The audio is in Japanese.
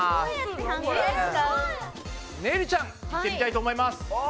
ねるちゃんいってみたいと思います。